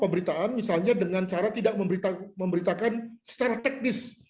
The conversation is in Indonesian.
pemberitaan misalnya dengan cara tidak memberitakan secara teknis